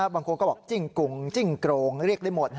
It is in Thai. บางคนก็บอกจิ้งกุงจิ้งโกรงเรียกได้หมด